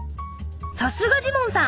さすがジモンさん！